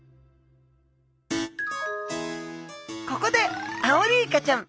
ここでアオリイカちゃん